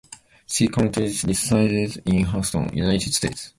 She currently resides in Houston, United States.